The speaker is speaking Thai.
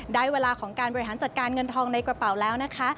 ได้เวลาของการบริหารจัดการเงินทองในกระเป๋าแล้วนะคะ